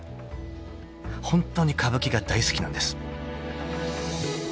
［ホントに歌舞伎が大好きなんです］